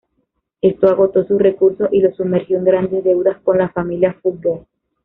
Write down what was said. Esto agotó sus recursos y los sumergió en grandes deudas con la Familia Fugger.